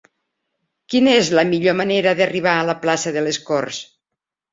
Quina és la millor manera d'arribar a la plaça de les Corts?